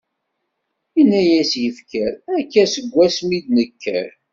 Yenna-as yifker : akka seg asmi i d-nekker.